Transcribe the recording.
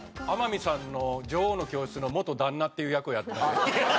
天海さんの『女王の教室』の元旦那っていう役をやってて。